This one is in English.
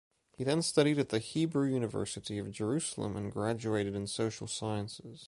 He then studied at the Hebrew University of Jerusalem and graduated in social sciences.